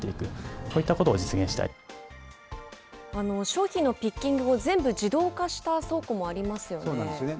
商品のピッキングを全部自動化した倉庫もありますよね。